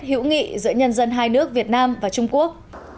hữu nghị giữa nhân dân hai nước việt nam và trung quốc